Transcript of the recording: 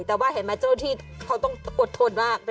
แต่ว่าเห็นไหมเจ้าที่เขาต้องอดทนมาก